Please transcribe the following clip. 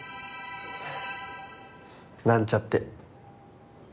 なんちゃって。